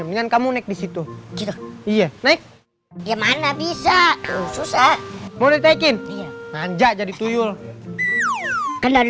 dengan kamu naik di situ gitu iya naik gimana bisa susah boleh tekin aja jadi tuyul kan dari